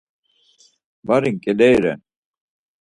Bari nǩileri ren.